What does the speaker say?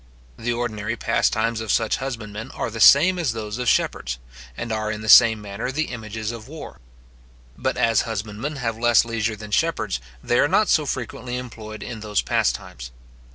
The ordinary pastimes of such husbandmen are the same as those of shepherds, and are in the same manner the images of war. But as husbandmen have less leisure than shepherds, they are not so frequently employed in those pastimes.